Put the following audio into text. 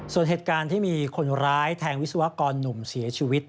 ส่วนเหตุการณ์ที่มีคนร้ายแทงวิศวกรหนุ่มเสียชีวิต